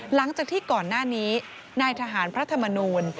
หลังจากที่ก่อนหน้านี้นายทหารพระธรรมนูล